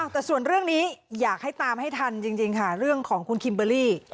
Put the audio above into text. แต่ส่วนเรื่องนี้อยากให้ตามให้ทันจริงค่ะเรื่องของคุณคิมเบอร์รี่